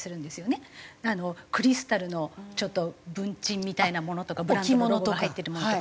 クリスタルのちょっと文鎮みたいなものとかブランドのロゴが入ってるものとか。